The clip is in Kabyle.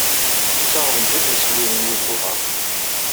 D taɣdemt i d iswi n yisuḍaf.